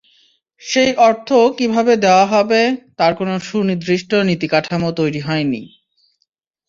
সেই অর্থ কীভাবে দেওয়া হবে, তার কোনো সুনির্দিষ্ট নীতিকাঠামো তৈরি হয়নি।